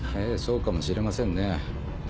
ええそうかもしれませんね。